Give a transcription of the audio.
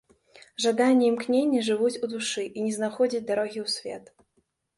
Жаданні і імкненні жывуць у душы і не знаходзяць дарогі ў свет.